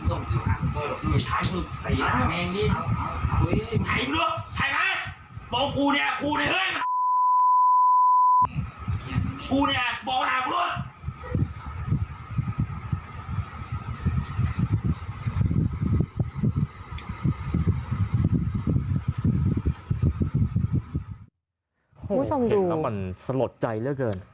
โอ้โฮคุณผู้ชมดูเห็นแล้วมันสลดใจเลยเกิน